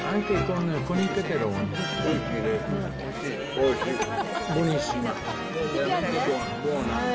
おいしいね。